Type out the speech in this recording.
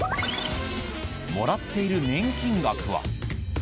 もらっている年金額は。